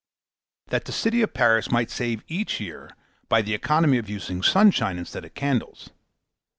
that the city of Paris might save every year, by the economy of using sunshine instead of candles.